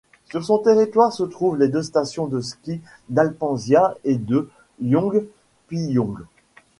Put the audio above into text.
Sur son territoire se trouvent les deux stations de ski d'Alpensia et de Yongpyong.